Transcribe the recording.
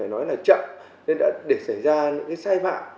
nên đã để xảy ra những cái sai phạm